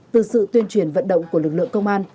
từ sự tuyên truyền vận động của lực lượng công an